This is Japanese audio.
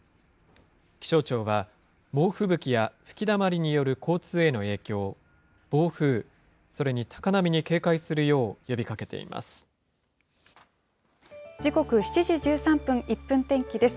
気象庁は猛吹雪や吹きだまりによる交通への影響、暴風、それに高波に警戒するよう呼びかけています。